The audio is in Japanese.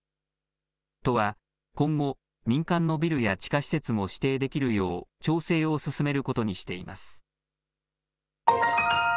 都は、今後、民間のビルや地下施設も指定できるよう、調整を進めることにしています。